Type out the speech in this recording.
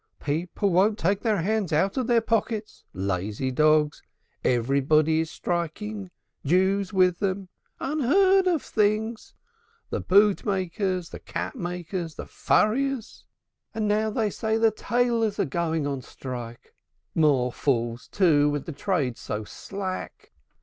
"People won't take their hands out of their pockets, lazy dogs! Everybody is striking, Jews with them. Unheard of things! The bootmakers, the capmakers, the furriers! And now they say the tailors are going to strike; more fools, too, when the trade is so slack.